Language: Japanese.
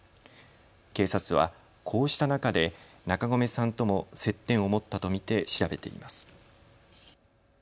警察は、こうした中で中込さんとも接点を持ったと見て調べています。